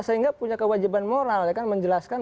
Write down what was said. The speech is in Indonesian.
sehingga punya kewajiban moral menjelaskan